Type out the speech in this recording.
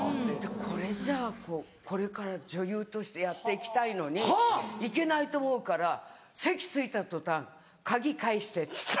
これじゃこれから女優としてやって行きたいのにいけないと思うから席着いた途端「鍵返して」っつった。